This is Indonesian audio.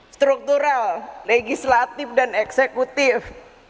struktural legislatif dan eksekutif